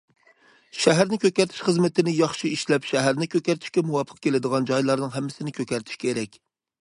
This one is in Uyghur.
« شەھەرنى كۆكەرتىش خىزمىتىنى ياخشى ئىشلەپ، شەھەرنى كۆكەرتىشكە مۇۋاپىق كېلىدىغان جايلارنىڭ ھەممىسىنى كۆكەرتىش كېرەك».